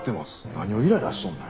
何をイライラしとんねん。